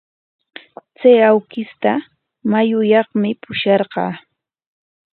Chay awkishta mayuyaqmi pusharqaa.